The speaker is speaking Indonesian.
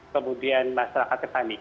kemudian masyarakatnya panik